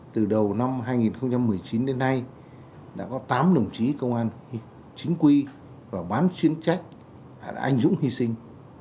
từ đầu năm hai nghìn một mươi chín đến nay đã có tám đồng chí công an chính quy và bán chuyên trách đã anh dũng hy sinh